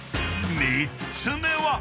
［３つ目は］